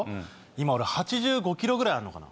今俺８５ｋｇぐらいあんのかな。